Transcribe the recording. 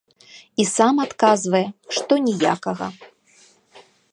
І сам адказвае, што ніякага.